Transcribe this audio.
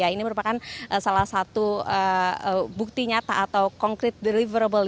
ini merupakan salah satu bukti nyata atau konkret deliverable